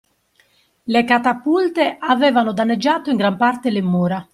Le catapulte avevano danneggiato in gran parte le mura